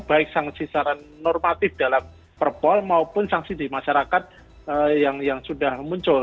baik sanksi secara normatif dalam perpol maupun sanksi di masyarakat yang sudah muncul